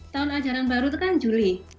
tahun ajaran baru itu kan juli